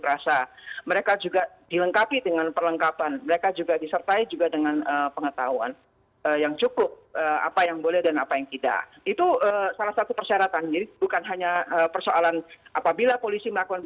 kejahatan kekerasan terhadap perempuan